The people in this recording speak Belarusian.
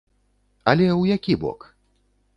Але ў які бок?